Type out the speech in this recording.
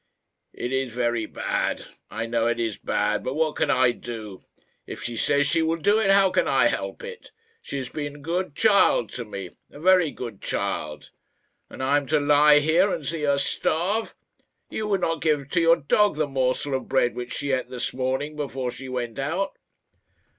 "It is very bad. I know it is bad, but what can I do? If she says she will do it, how can I help it? She has been a good child to me a very good child; and am I to lie here and see her starve? You would not give to your dog the morsel of bread which she ate this morning before she went out."